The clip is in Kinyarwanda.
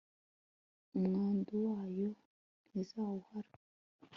umwandu wayo ntizawuhara